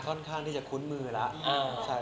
ค่อนข้างที่จะคุ้นมือแล้ว